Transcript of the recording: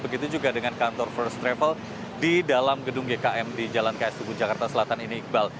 begitu juga dengan kantor first travel di dalam gedung gkm di jalan ks tubun jakarta selatan ini iqbal